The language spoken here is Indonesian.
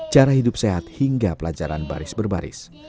cara hidup sehat hingga pelajaran baris berbaris